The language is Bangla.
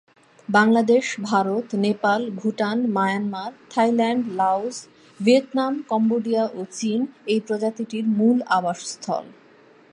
Bangladesh, Bharat, Nepal, Bhutan, Myanmar, Thailand, Laos, Vietnam, Cambodia, ও চীন এই প্রজাতিটির মূল আবাসস্থল।